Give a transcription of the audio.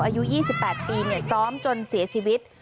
อายุ๒๘ปีซ้อมจนเสียชีวิต